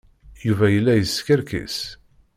Yuba yella yeskerkis.